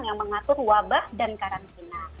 yang mengatur wabah dan karantina